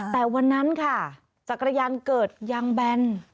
แต่วันนั้นค่ะจักรยานเกิดยางแบน